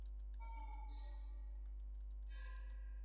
viazi lishe vina thamani gani